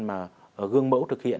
mà gương mẫu thực hiện